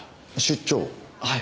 はい。